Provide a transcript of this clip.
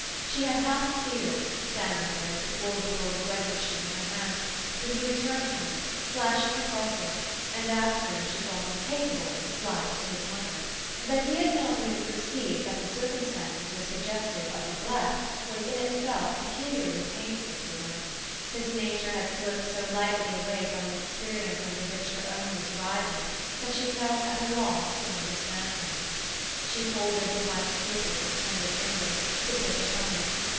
She had half feared, standing there with the poor little old wedding shoe in her hand, that he would turn to her, flashing across it, and ask her if she thought him capable of a slight to his mother. That he had not even perceived that the circumstances were suggestive of neglect was in itself peculiarly painful to her. His nature had slipped so lightly away from an experience under which her own was writhing, that she felt at a loss to understand him. She folded the white slipper with tender fingers, to take it home.